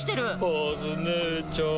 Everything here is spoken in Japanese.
カズ姉ちゃん。